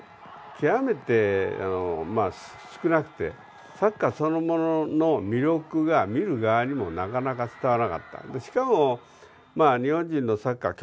極めてまあ少なくてサッカーそのものの魅力が見る側にもなかなか伝わらなかったしかもまあ日本人のサッカー